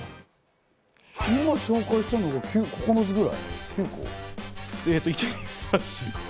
今、紹介したのが９つぐらい？